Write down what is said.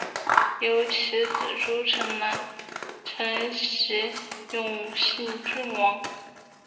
由其子朱诚澜承袭永兴郡王。